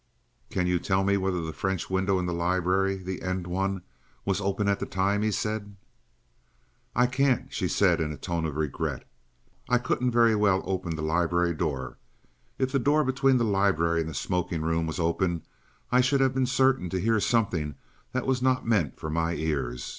"Can you tell me whether the French window in the library, the end one, was open at that time?" he said. "I can't," she said in a tone of regret. "I couldn't very well open the library door. If the door between the library and the smoking room was open, I should have been certain to hear something that was not meant for my ears.